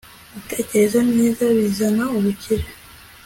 gutekereza neza bizana ubukire